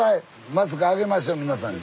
マスクあげましょ皆さんに。